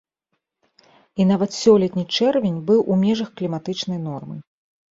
І нават сёлетні чэрвень быў у межах кліматычнай нормы.